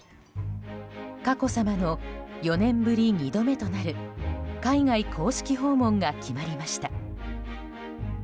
佳子さまの４年ぶり２度目となる海外公式訪問が決まりました。